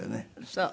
そう。